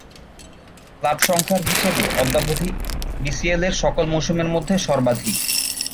Club সংখ্যার হিসেবে অদ্যাবধি বিসিএল-এর সকল মৌসুমের মধ্যে সর্বাধিক।